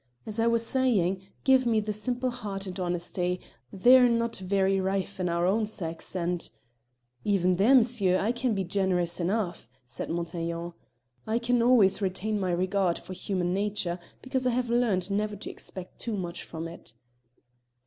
As I was saying, give me the simple heart and honesty; they're not very rife in our own sex, and " "Even there, monsieur, I can be generous enough," said Montaiglon. "I can always retain my regard for human nature, because I have learned never to expect too much from it."